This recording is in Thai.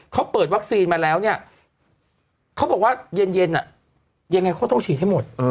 เขาเปิดวัคซีนมาแล้วเนี่ยเขาบอกว่าเย็นยังไงเขาต้องฉีดให้หมด